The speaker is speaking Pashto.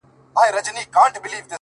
ده ناروا،